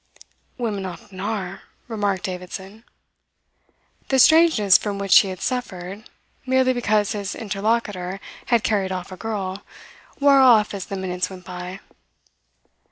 "Women often are " remarked Davidson. The strangeness from which he had suffered, merely because his interlocutor had carried off a girl, wore off as the minutes went by.